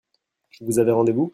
Vous avez rendez-vous ?